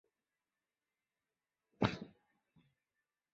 唐人墓是位于日本冲绳县石垣市观音崎的华人墓地。